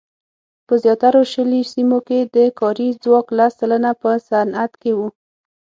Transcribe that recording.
په زیاترو شلي سیمو کې د کاري ځواک لس سلنه په صنعت کې وو.